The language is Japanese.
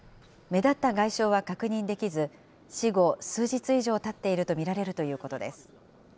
目立った外傷は確認できず、死後数日以上たっていると見られるということです。